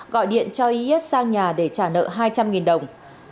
gọi điện cho y s sang nhà để trả nợ hai trăm linh đồng